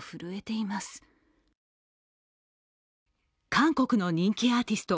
韓国の人気アーティスト